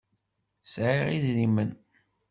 Sɛiɣ idrimen.